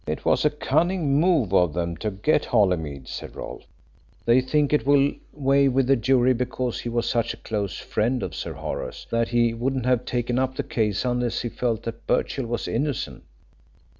"It was a cunning move of them to get Holymead," said Rolfe. "They think it will weigh with the jury because he was such a close friend of Sir Horace that he wouldn't have taken up the case unless he felt that Birchill was innocent.